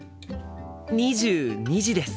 ２２時です！